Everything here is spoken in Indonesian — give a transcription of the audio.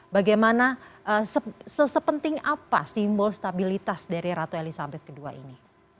bagaimana sepenting apa simbol stabilitas dari ratu elizabeth ii ini